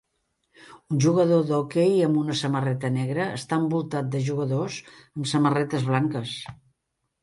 Un jugador d'hoquei amb una samarreta negra està envoltant de jugadors amb samarretes blanques.